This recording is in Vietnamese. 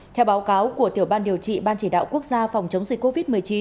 theo báo cáo của tiểu ban điều trị ban chỉ đạo quốc gia phòng chống dịch covid một mươi chín